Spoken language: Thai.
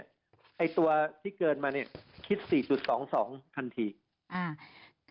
ไอ้ตัวที่เกินมาเนี้ยคิดสี่จุดสองสองทันทีอ่า